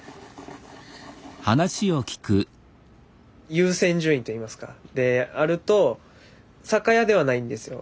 優先順位といいますかであると酒屋ではないんですよ